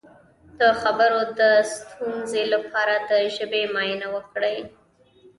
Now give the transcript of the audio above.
د خبرو د ستونزې لپاره د ژبې معاینه وکړئ